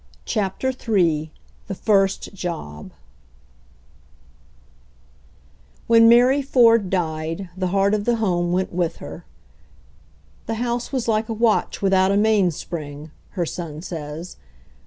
CHAPTER III *HE FIRST JOB When Mary Ford died the heart of the home went with her. "The house was like a watch without a mainspring," her son says.